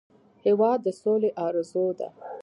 هېواد د سولې ارزو ده.